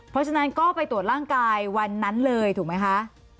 เพราะฉะนั้นก็ไปตรวจร่างกายวันนั้นเลยถูกไหมคะ